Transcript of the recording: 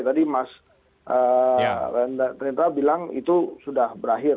tadi mas rendra bilang itu sudah berakhir